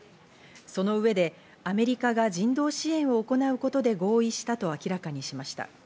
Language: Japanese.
その上でアメリカが人道支援を行うことで合意したと明らかにしました。